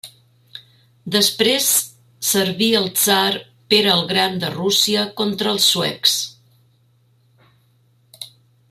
Després servi al tsar Pere el Gran de Rússia contra els suecs.